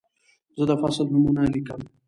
زه د فصل نومونه لیکم.